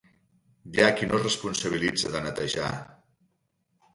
Hi ha qui no es responsabilitza de netejar.